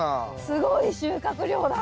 すごい収穫量だ。